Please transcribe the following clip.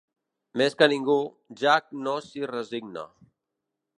Més que ningú, Jack no s'hi resigna.